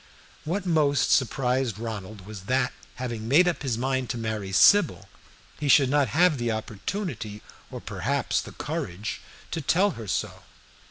What most surprised Ronald was that, having made up his mind to marry Sybil, he should not have had the opportunity, or perhaps the courage, to tell her so.